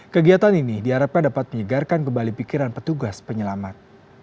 kegiatan ini diharapkan dapat menyegarkan kembali pikiran petugas penyelamat